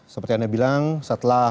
seperti anda bilang setelah